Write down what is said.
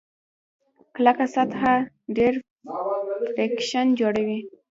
کلکه سطحه ډېر فریکشن جوړوي.